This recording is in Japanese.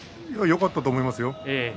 よかったと思いますよ。